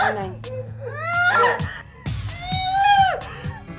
sabar anak ya